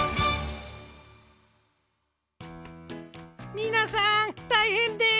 みなさんたいへんです！